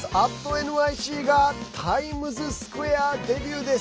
「＠ｎｙｃ」がタイムズスクエアデビューです。